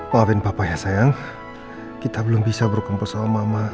maafin bapak ya sayang kita belum bisa berkumpul sama mama